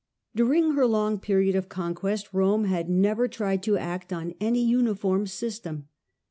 During of self rule, her long period of conquest Rome had never tried to act on any uniform system.